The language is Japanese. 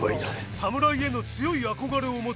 侍への強い憧れを持つイチ。